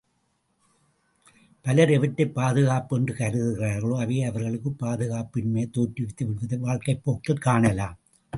பலர் எவற்றைப் பாதுகாப்பு என்று கருதுகிறார்களோ அவையே அவர்களுக்குப் பாதுகாப்பின்மையைத் தோற்றவித்து விடுவதை வாழ்க்கைப் போக்கில் காணலாம்.